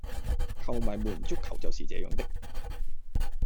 球迷們,足球就是這樣的